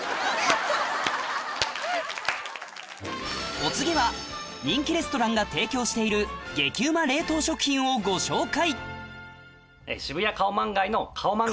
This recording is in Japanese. お次は人気レストランが提供している激ウマ冷凍食品をご紹介